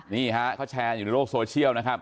นี่ฮะเขาแชร์อยู่ในโลกโซเชียลนะครับ